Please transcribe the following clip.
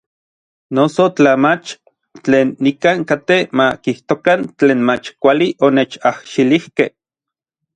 Noso tla mach, tlen nikan katej ma kijtokan tlen mach kuali onechajxilijkej.